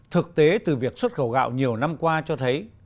thực tế từ việc xuất khẩu gạo nhiều năm qua cho thấy